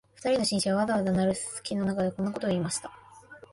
二人の紳士は、ざわざわ鳴るすすきの中で、こんなことを言いました